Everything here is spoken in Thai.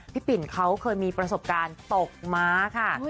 ปิ่นเขาเคยมีประสบการณ์ตกม้าค่ะ